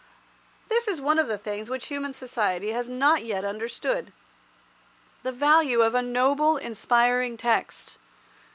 This is one of the things which human society has not yet understood—the value of a noble, inspiriting text.